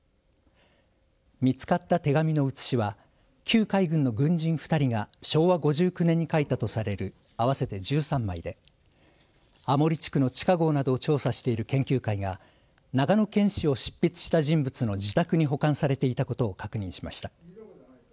見つかった手紙の写しは旧海軍の軍人２人が昭和５９年に書いたとされる合わせて１３枚で安茂里地区の地下ごうなどを調査している研究会が長野県史を執筆した人物の自宅に保管されていたことを確認しました。